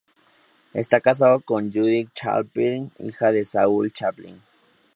Está casado con Judy Chaplin, hija de Saul Chaplin.